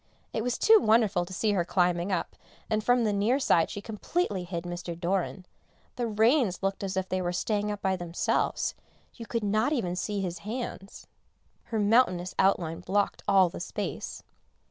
It was too wonderful to see her climbing up, and from the near side she completely hid Mr. Doran; the reins looked as if they were staying up by themselves, you could not see even his hands, her mountainous outline blocked all the space.